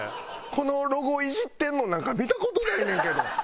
このロゴをイジってるのなんか見た事ないねんけど。